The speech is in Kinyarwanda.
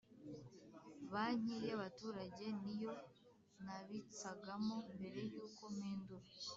Banki y’ abaturage niyo nabitsagamo mbere yuko mpindura